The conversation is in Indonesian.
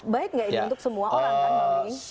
baik gak ini untuk semua orang kan tomi ing